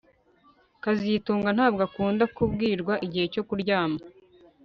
kazitunga ntabwo akunda kubwirwa igihe cyo kuryama